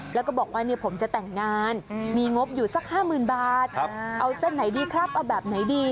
แล้วก็บอกว่าผมจะแต่งงานมีงบอยู่สัก๕๐๐๐บาทเอาเส้นไหนดีครับเอาแบบไหนดี